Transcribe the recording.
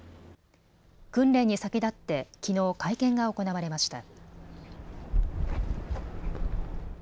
訓練に先立ってきのう会見が行われました。